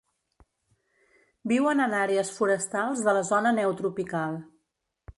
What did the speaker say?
Viuen en àrees forestals de la zona neotropical.